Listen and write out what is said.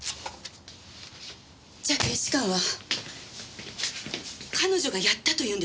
じゃあ検視官は彼女がやったと言うんですか？